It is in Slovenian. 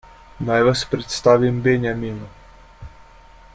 Naj vas predstavim Benjaminu.